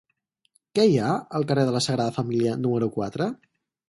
Què hi ha al carrer de la Sagrada Família número quatre?